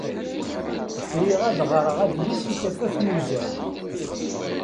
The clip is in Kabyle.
Riɣ ad ɣreɣ adlis i tafat n uzal.